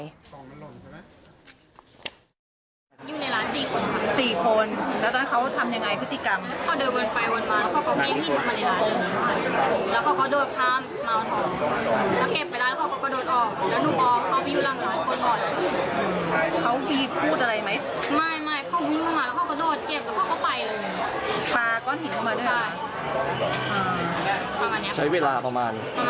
๒๓วันหนีได้ค่ะ